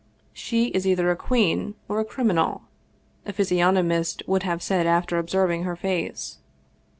" She is either a queen or a criminal," a physiognomist would have said after observing her face.